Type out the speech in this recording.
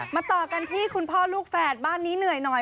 ต่อกันที่คุณพ่อลูกแฝดบ้านนี้เหนื่อยหน่อย